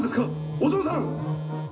お嬢さん！？